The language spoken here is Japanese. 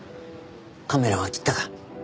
カメラは切ったか？